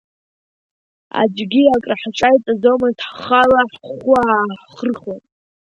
Аӡәгьы акраҳҿаиҵаӡомызт, ҳхала ҳхәы ааҳрыхуан.